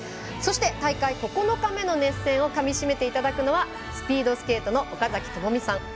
そして大会９日目の熱戦をかみしめていただくのはスピードスケートの岡崎朋美さん